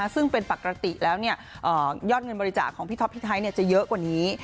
ซึ่งเป็นปกติแล้วยอดเงินบริจาคของพี่ท็อปพี่ไทยจะเยอะกว่านี้